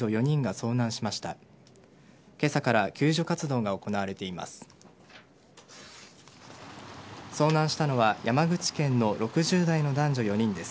遭難したのは山口県の６０代の男女４人です。